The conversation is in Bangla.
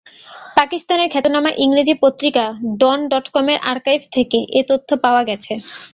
পাকিস্তানের খ্যাতনামা ইংরেজি পত্রিকা ডন ডটকমের আর্কাইভ থেকে এ তথ্য পাওয়া গেছে।